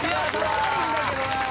高いんだけどな。